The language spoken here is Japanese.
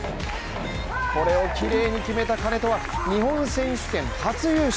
これをきれいに決めた金戸は日本選手権初優勝。